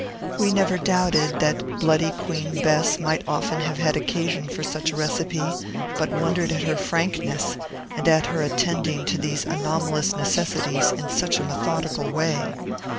We never doubted that bloody Queen Bess might often have had occasion for such a recipe, but wondered at her frankness, and at her attending to these anomalous necessities in such a methodical way.